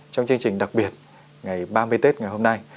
trong chương trình đặc biệt ngày ba mươi tết ngày hôm nay